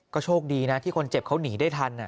ก็โชคดีนะที่คนเจ็บเขาหนีได้ทัน